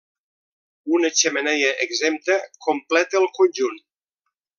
Una xemeneia exempta completa el conjunt.